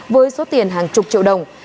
với số tiền hàng chục triệu đồng